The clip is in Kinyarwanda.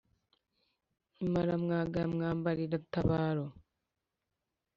imaramwaga ya mwambarira tabaro